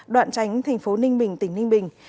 đoạn tránh thành phố ninh bình tỉnh ninh bình